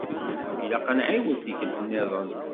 Ilaq ad nɛiwed tikelt-nniḍen.